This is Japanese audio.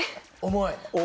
重い。